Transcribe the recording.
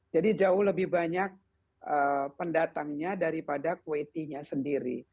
jadi jauh lebih banyak pendatangnya daripada kuwaitinya sendiri